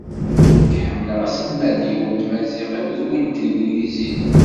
Nekk ḥemmleɣ aselmad-iw n tmaziɣt akked win n teglizit.